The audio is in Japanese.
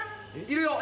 いるよ。